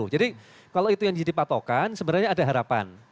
jadi kalau itu yang jadi patokan sebenarnya ada harapan